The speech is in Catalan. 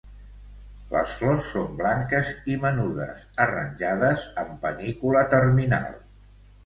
Les flors són blanques i menudes arranjades en panícula terminal.